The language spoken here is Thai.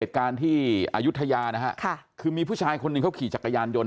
เป็นเอกการที่อายุทยาคือมีผู้ชายคนนึงเขาขี่จักรยานยนต์